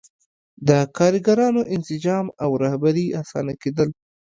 د کارګرانو انسجام او رهبري اسانه کېدل.